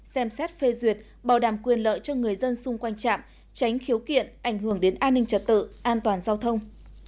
xem xét phê duyệt bảo đảm quyền lợi cho người dân xung quanh trạm tránh khiếu kiện ảnh hưởng đến an ninh trật tự an toàn giao thông